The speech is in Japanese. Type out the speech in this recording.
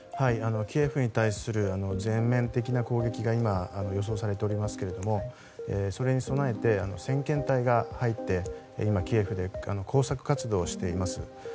キエフに対する全面的な攻撃が今、予想されておりますけどもそれに備えて先遣隊が入って今キエフで工作活動をしています。